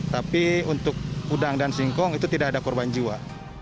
tapi untuk udang dan singkong itu tidak ada korban jiwa